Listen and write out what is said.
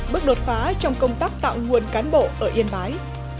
bước đột phá trong công tác tạo nguồn cán bộ ở yên bái